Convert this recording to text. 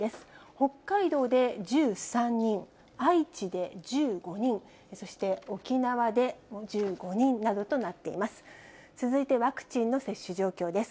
北海道で１３人、愛知で１５人、そして沖縄で１５人などとなっています。